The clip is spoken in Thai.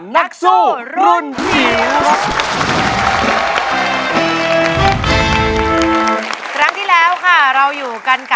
นักสู้รุ่น